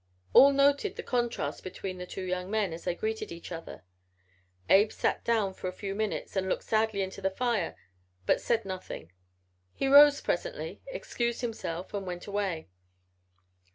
All noted the contrast between the two young men as they greeted each other. Abe sat down for a few minutes and looked sadly into the fire but said nothing. He rose presently, excused himself and went away.